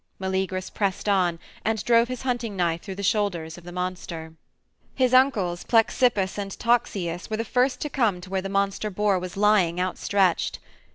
Meleagrus pressed on, and drove his hunting knife through the shoulders of the monster. His uncles, Plexippus and Toxeus, were the first to come to where the monster boar was lying outstretched.